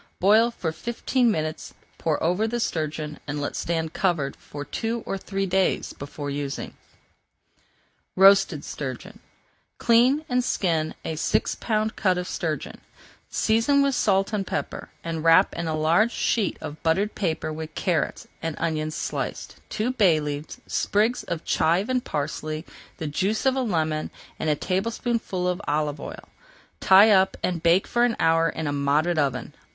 Boil for fifteen minutes, pour over the sturgeon, and let stand covered for two or three days before using. [Page 410] ROASTED STURGEON Clean and skin a six pound cut of sturgeon, season with salt and pepper, and wrap in a large sheet of buttered paper with carrots and onions sliced, two bay leaves, sprigs of chive and parsley, the juice of a lemon, and a tablespoonful of olive oil. Tie up and bake for an hour in a moderate oven.